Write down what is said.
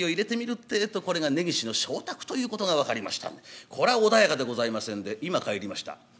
ってえとこれが根岸の妾宅ということが分かりましたんでこりゃ穏やかでございませんで「今帰りました」。